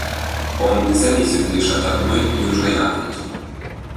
Он не зависит лишь от одной Южной Африки.